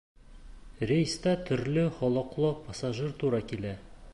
Рейста төрлө холоҡло пассажир тура килә.